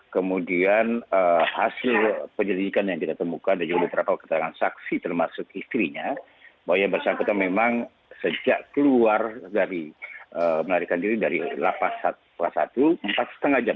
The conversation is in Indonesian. kemudian hasil penyelidikan yang kita temukan dan juga beberapa keterangan saksi termasuk istrinya bahwa yang bersangkutan memang sejak keluar dari melarikan diri dari lapas kelas satu empat lima jam